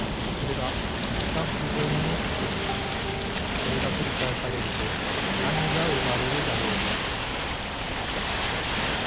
これがくりかえされるとなにがうまれるだろうか？